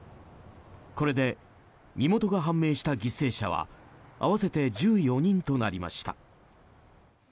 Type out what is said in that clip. これで身元が判明した犠牲者は合わせて１４人となりました。